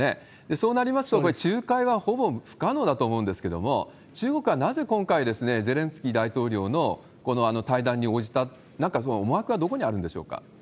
そうなりますと、仲介はほぼ不可能だと思うんですけれども、中国はなぜ今回、ゼレンスキー大統領の対談に応じた、これ、なんかその思惑はどこにあるんでしょうか？